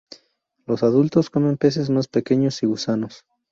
Los adultos comen peces más pequeños y gusanos.